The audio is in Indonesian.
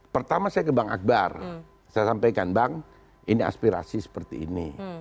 pertama saya ke bang akbar saya sampaikan bang ini aspirasi seperti ini